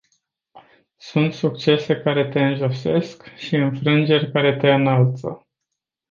Sunt succese care te înjosesc și înfrângeri care te înalță.